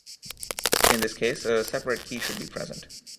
In this case, a separate key should be present.